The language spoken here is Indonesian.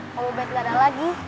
kalau bed nggak ada lagi